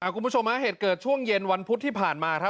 คุณผู้ชมฮะเหตุเกิดช่วงเย็นวันพุธที่ผ่านมาครับ